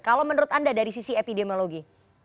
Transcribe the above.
kalau menurut anda dari sisi epidemiologi